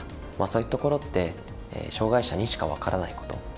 そういうところって障がい者にしかわからない事。